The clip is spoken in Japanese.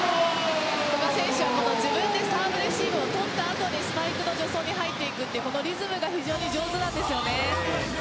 古賀選手は自分でサーブレシーブをとったあとスパイクの助走に入っていくというこのリズムが非常に上手なんですよね。